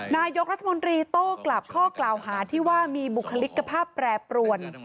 นายกรัฐมนตรีโต้กลับข้อกล่าวหาที่ว่ามีบุคลิกภาพแปรปรวน